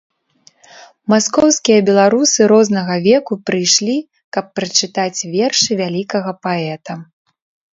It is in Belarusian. Маскоўскія беларусы рознага веку прыйшлі, каб прачытаць вершы вялікага паэта.